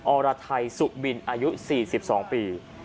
อรไทยสุบินอายุ๔๒ปี